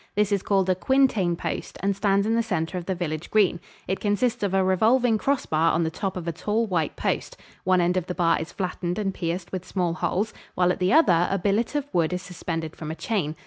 This is called a quintain post and stands in the center of the village green. It consists of a revolving crossbar on the top of a tall, white post. One end of the bar is flattened and pierced with small holes, while at the other a billet of wood is suspended from a chain.